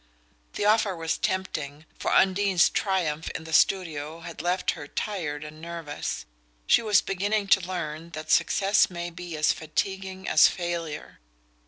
The offer was tempting, for Undine's triumph in the studio had left her tired and nervous she was beginning to learn that success may be as fatiguing as failure.